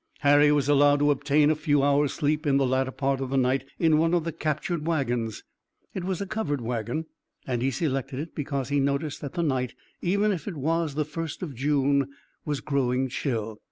Harry was allowed to obtain a few hours sleep in the latter part of the night in one of the captured wagons. It was a covered wagon and he selected it because he noticed that the night, even if it was the first of June, was growing chill.